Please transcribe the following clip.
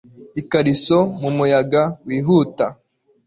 ikariso mumuyaga wihuta